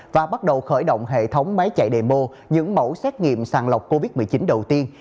và bắt đầu khởi động hệ thống máy chạy demo những mẫu xét nghiệm sàng lọc covid một mươi chín đầu tiên